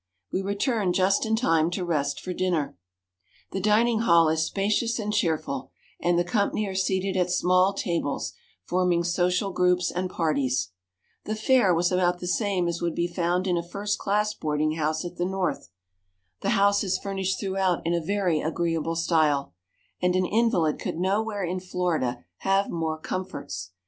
We returned just in time to rest for dinner. The dining hall is spacious and cheerful; and the company are seated at small tables, forming social groups and parties. The fare was about the same as would be found in a first class boarding house at the North. The house is furnished throughout in a very agreeable style; and an invalid could nowhere in Florida have more comforts.